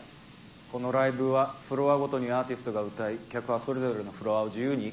このライブはフロアごとにアーティストが歌い客はそれぞれのフロアを自由に行き来する。